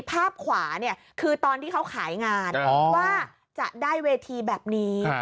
ภาพขวาเนี่ยคือตอนที่เขาขายงานว่าจะได้เวทีแบบนี้